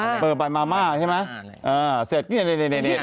เขาทำออกมาขาย